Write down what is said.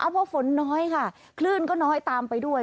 เพราะฝนน้อยค่ะคลื่นก็น้อยตามไปด้วย